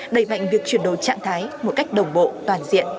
đẩy mạnh việc chuyển đổi trạng thái một cách đồng bộ toàn diện tại ba cấp